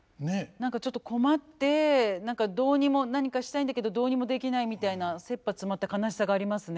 何かちょっと困って何かどうにも何かしたいんだけどどうにもできないみたいなせっぱ詰まった悲しさがありますね。